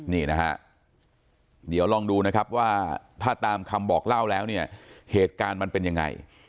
นี่นะฮะเดี๋ยวลองดูนะครับว่าถ้าตามคำบอกเล่าแล้วเนี่ยเหตุการณ์มันเป็นยังไง